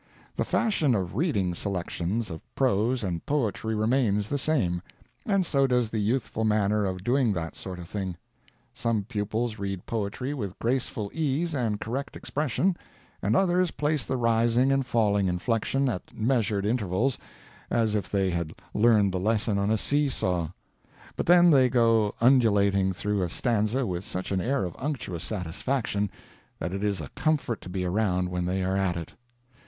The fashion of reading selections of prose and poetry remains the same; and so does the youthful manner of doing that sort of thing. Some pupils read poetry with graceful ease and correct expression, and others place the rising and falling inflection at measured intervals, as if they had learned the lesson on a "see saw;" but then they go undulating through a stanza with such an air of unctuous satisfaction, that it is a comfort to be around when they are at it.